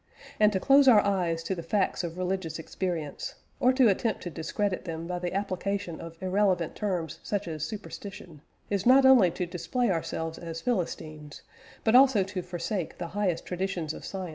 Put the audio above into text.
And to close our eyes to the facts of religious experience, or to attempt to discredit them by the application of irrelevant terms such as "superstition," is not only to display ourselves as philistines, but also to forsake the highest traditions of science veneration for experience, and the realms of fact.